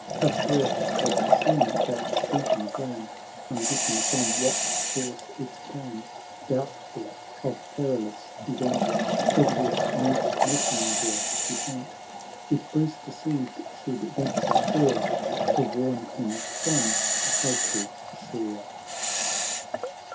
— Cuthbert had seen that beacon flame, Unwitting from what source it came. G32 THE LORD OF THE ISLES. [CANTO V. Doubtful of perilous event, Edward's mute messenger he sent, If Bruce deceived should venture o'er, To warn him from the fatal shore.